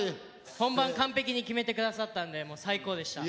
本番完璧に決めて下さったんでもう最高でした。